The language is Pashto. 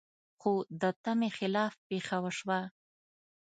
خو د تمې خلاف پېښه وشوه.